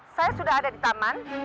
saya sudah ada di taman